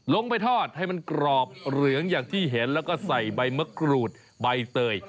ลงไปทอดให้มันกรอบเหลืองอย่างที่เห็นแล้วก็ใส่ใบมะกรูดใบเตย